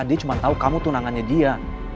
dia cuma tahu kamu tunangannya dia